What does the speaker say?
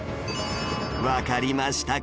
わかりましたか？